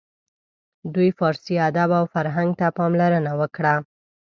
دوی فارسي ادب او فرهنګ ته پاملرنه وکړه.